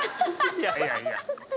いやいやいや。